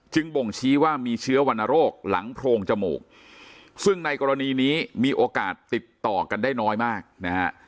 บ่งชี้ว่ามีเชื้อวรรณโรคหลังโพรงจมูกซึ่งในกรณีนี้มีโอกาสติดต่อกันได้น้อยมากนะฮะ